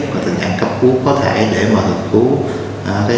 và tình trạng cấp cứu có thể để mà cấp cứu